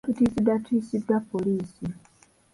Tutiisiddwatiisiddwa poliisi.